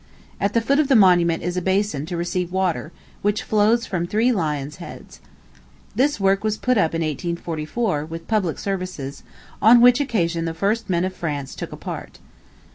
At the foot of the monument is a basin to receive water, which flows from three lions' heads. This work was put up in 1844, with public services, on which occasion the first men of France took a part.